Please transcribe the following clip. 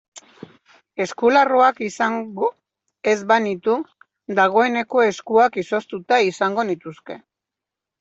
Eskularruak izango ez banitu dagoeneko eskuak izoztuta izango nituzke.